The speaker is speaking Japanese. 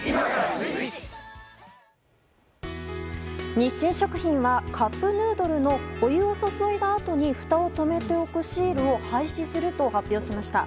日清食品はカップヌードルのお湯を注いだあとにふたを止めておくシールを廃止すると発表しました。